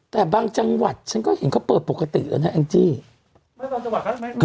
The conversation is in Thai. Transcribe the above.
แต่บางจังหวัดฉันก็เห็นเขาเปิดปกติแล้วนะแองจี้